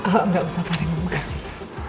enggak usah pak remon makasih